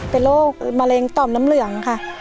เป็นโรคมะเร็งต่อมน้ำเหลืองค่ะ